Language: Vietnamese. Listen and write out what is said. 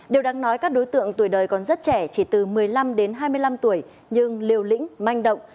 điều đáng nói các đối tượng tuổi đời còn rất trẻ chỉ từ một mươi năm đến hai mươi năm tuổi nhưng liều lĩnh manh động